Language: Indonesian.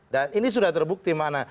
dan ini sudah terbukti mana